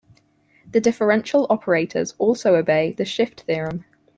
The differential operators also obey the shift theorem.